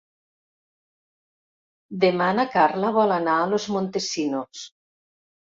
Demà na Carla vol anar a Los Montesinos.